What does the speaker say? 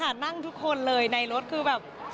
นั่งทุกคนเลยในรถคือแบบ